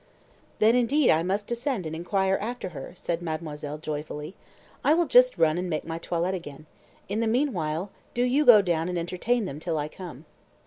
"Then, indeed, I must descend and inquire after her," said mademoiselle joyfully. "I will just run and make my toilet again. In the meanwhile, do you go down and entertain them till I come."